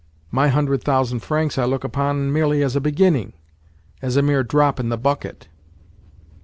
My hundred thousand francs I look upon merely as a beginning—as a mere drop in the bucket."